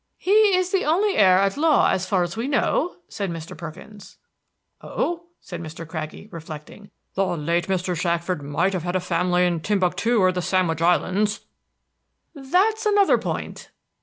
"He is the only heir at law so far as we know," said Mr. Perkins. "Oh," said Mr. Craggie, reflecting. "The late Mr. Shackford might have had a family in Timbuctoo or the Sandwich Islands." "That's another point."